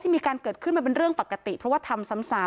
มีการเกิดขึ้นมันเป็นเรื่องปกติเพราะว่าทำซ้ำ